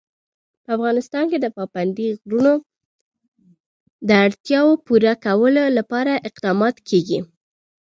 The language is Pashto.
په افغانستان کې د پابندی غرونه د اړتیاوو پوره کولو لپاره اقدامات کېږي.